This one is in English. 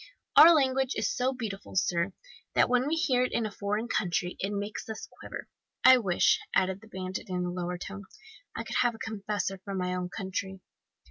"Our language is so beautiful, sir, that when we hear it in a foreign country it makes us quiver. I wish," added the bandit in a lower tone, "I could have a confessor from my own country."